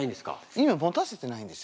意味は持たせてないんですよ。